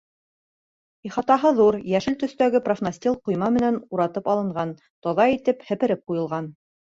Ихатаһы ҙур, йәшел төҫтәге профнастил ҡойма менән уратып алынған, таҙа итеп һепереп ҡуйылған.